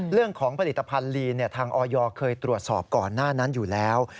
เรื่องของผลิตภัณฑ์ลีนทางออยเคยตรวจสอบก่อนหน้านั้นอยู่แล้ว